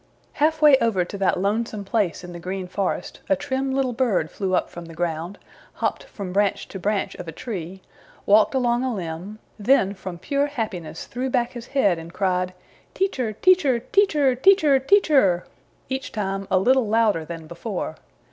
Halfway over to that lonesome place in the Green Forest a trim little bird flew up from the ground, hopped from branch to branch of a tree, walked along a limb, then from pure happiness threw back his head and cried, "Teacher, teacher, teacher, teacher, teacher!" each time a little louder than before.